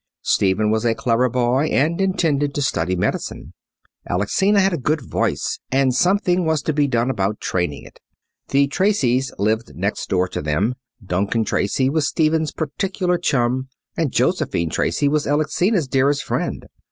Stephen was a clever boy and intended to study medicine. Alexina had a good voice, and something was to be done about training it. The Tracys lived next door to them. Duncan Tracy was Stephen's particular chum, and Josephine Tracy was Alexina's dearest friend.